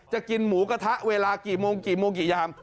กินหมูกระทะเวลากี่โมงกี่โมงกี่ยาม